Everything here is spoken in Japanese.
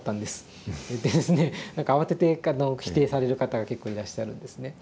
って何か慌てて否定される方が結構いらっしゃるんですね。